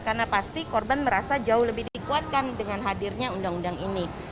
karena pasti korban merasa jauh lebih dikuatkan dengan hadirnya undang undang ini